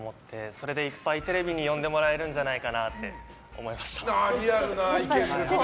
それでいっぱいテレビに呼んでもらえるんじゃないかとリアルな意見ですね。